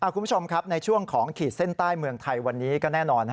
คุณผู้ชมครับในช่วงของขีดเส้นใต้เมืองไทยวันนี้ก็แน่นอน